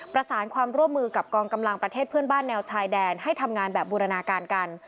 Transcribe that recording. ประสานความร่วมมือกับกองกำลังประเทศเพื่อนบ้านแนวชายแดนให้ทำงานแบบบูรณาการกัน